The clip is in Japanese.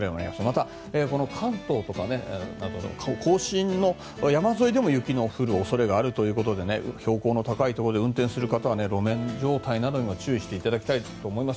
また、関東とか甲信の山沿いでも雪の降る恐れがあるということで標高の高いところで運転をする方は路面状態などにも注意していただきたいと思います。